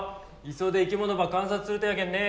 磯で生き物ば観察するとやけんね。